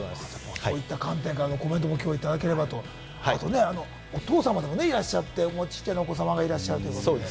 そういった観点からのコメントも今日いただければとお父様でもいらっしゃって、小さなお子様がいらっしゃるという。